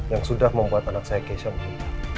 yang sudah membuat anak saya keisha meninggal